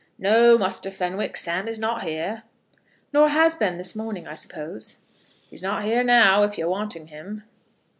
"No, Muster Fenwick, Sam is not here." "Nor has been this morning, I suppose?" "He's not here now, if you're wanting him."